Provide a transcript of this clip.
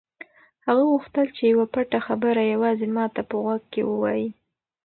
هغه غوښتل چې یوه پټه خبره یوازې ما ته په غوږ کې ووایي.